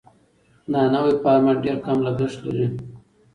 دا نوی فارمټ ډېر کم لګښت لري.